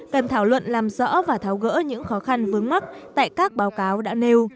cần thảo luận làm rõ và tháo gỡ những khó khăn vướng mắt tại các báo cáo đã nêu